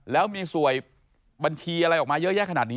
แล้วมีสวยบัญชีอะไรออกมาเยอะแยะขนาดนี้